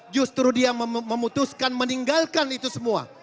justru dia memutuskan meninggalkan itu semua